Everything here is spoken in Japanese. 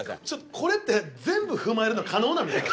これって全部踏まえるの可能なんですか？